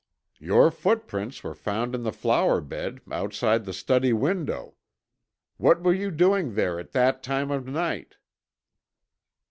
"Your footprints were found in the flower bed, outside the study window. What were you doing there at that time of night?"